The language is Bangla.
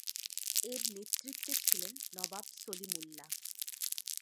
এর নেতৃত্বে ছিলেন নবাব সলিমুল্লাহ।